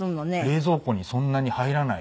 冷蔵庫にそんなに入らない。